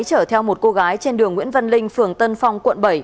chở theo một cô gái trên đường nguyễn văn linh phường tân phong quận bảy